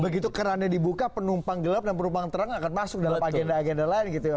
begitu kerannya dibuka penumpang gelap dan penumpang terang akan masuk dalam agenda agenda lain gitu ya